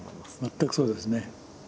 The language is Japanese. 全くそうですね。